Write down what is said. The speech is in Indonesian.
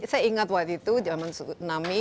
saya ingat waktu itu jaman tsunami